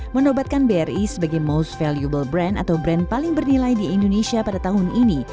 menobatkan bri sebagai most valuable brand atau brand paling bernilai di indonesia pada tahun ini